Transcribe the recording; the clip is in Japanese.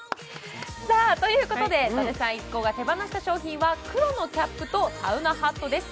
ということで、伊達さん一行が手放した商品は黒のキャップとサウナハットです。